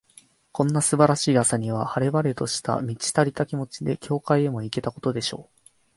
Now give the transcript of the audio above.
こんな素晴らしい朝には、晴れ晴れとした、満ち足りた気持ちで、教会へも行けたことでしょう。